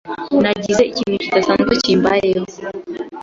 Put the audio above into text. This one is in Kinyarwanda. Nagize ikintu kidasanzwe kimbayeho.